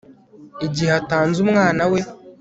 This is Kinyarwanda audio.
igihe atanze umwana we